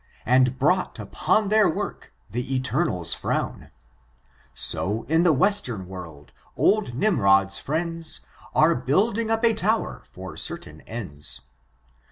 And brought upon their work the Eternal's frown. 80 in the western world, old AtY7»rod*« friends Are building up a tower for certain ends.